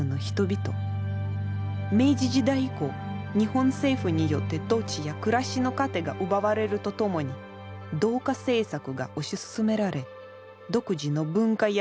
明治時代以降日本政府によって土地や暮らしの糧が奪われるとともに同化政策が推し進められ独自の文化や言語は否定されていった。